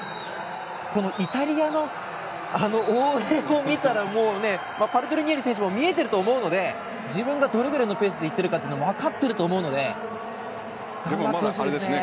このイタリアの応援を見たらパルトリニエリ選手も見えてると思うので自分がどれくらいのペースで行っているかってわかっていると思うので頑張ってほしいですね。